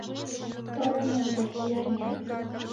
Толын ынде Ӱярня.